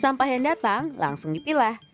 sampah yang datang langsung dipilah